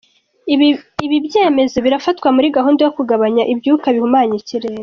Ibi byemezo birafatwa muri gahunda yo kugabanya ibyuka bihumanya ikirere.